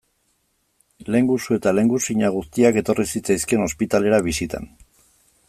Lehengusu eta lehengusina guztiak etorri zitzaizkion ospitalera bisitan.